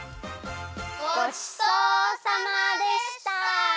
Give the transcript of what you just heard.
ごちそうさまでした！